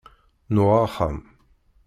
Nuɣ axxam.